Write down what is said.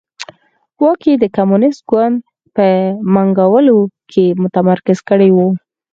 واک یې د کمونېست ګوند په منګولو کې متمرکز کړی و.